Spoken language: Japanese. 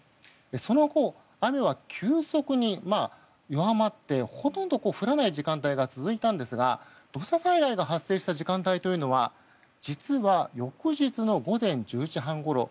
その後、雨は急速に弱まってほとんど降らない時間帯が続いたんですが土砂災害の発生した時間帯というのは実は、翌日の午前１０時半ごろ。